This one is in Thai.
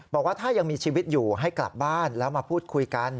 บอกว่าถ้ายังมีชีวิตอยู่ให้กลับบ้านแล้วมาพูดคุยกัน